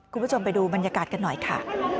คุณผู้ชมไปดูบรรยากาศกันหน่อยค่ะ